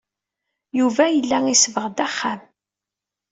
Yuba yella isebbeɣ-d axxam.